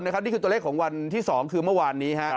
นี่คือตัวเลขของวันที่๒คือเมื่อวานนี้